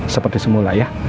seperti semula ya